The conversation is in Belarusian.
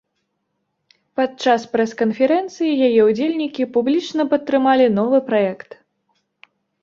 Падчас прэс-канферэнцыі яе ўдзельнікі публічна падтрымалі новы праект.